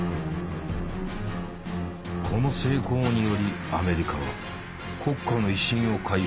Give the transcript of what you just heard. この成功によりアメリカは国家の威信を回復。